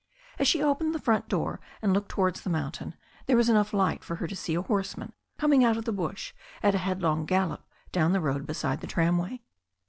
As she opened the front door and looked towards the mountain there was enough light for her to see a horseman come out of the bush at a headlong gallop down the road beside the tramway.